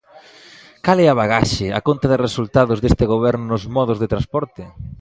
¿Cal é a bagaxe, a conta de resultados, deste goberno nos modos de transporte?